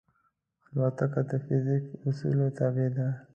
الوتکه د فزیک اصولو تابع ده.